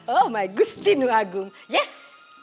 oh my gusti nuhagung yes